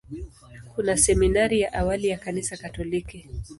Kuna seminari ya awali ya Kanisa Katoliki.